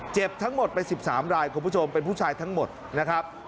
เจ็บทั้งหมดไป๑๓รายคุณผู้ชมเป็นผู้ชายทั้งหมดนะครับ